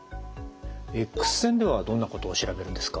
エックス線ではどんなことを調べるんですか？